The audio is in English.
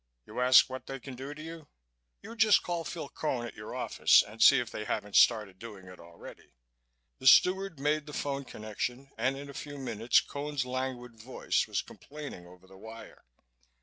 You ask what they can do to you? You just call Phil Cone at your office and see if they haven't started doing it already." The steward made the phone connection and in a few minutes Cone's languid voice was complaining over the wire.